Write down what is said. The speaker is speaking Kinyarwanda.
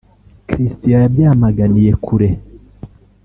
Christian yabyamaganiye kure